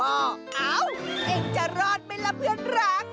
เอ้าเองจะรอดไหมล่ะเพื่อนรัก